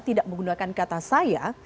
tidak menggunakan kata saya